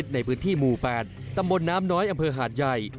ในพื้นที่หมู่๘ตำบลน้ำน้อยอำเภอหาดใหญ่